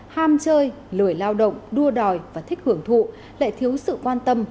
ham chơi lười lao động đua đòi và thích hưởng thụ lại thiếu sự quan tâm